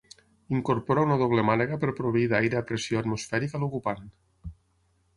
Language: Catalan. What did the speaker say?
Incorpora una doble mànega per proveir d'aire a pressió atmosfèrica a l'ocupant.